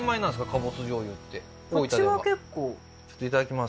カボス醤油って大分ではうちは結構ちょっといただきます